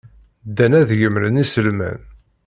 Ddan ad gemren iselman.